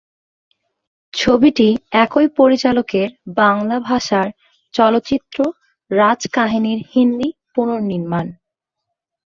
ছবিটি একই পরিচালকের বাংলা ভাষার চলচ্চিত্র "রাজকাহিনী"র হিন্দি পুনঃনির্মাণ।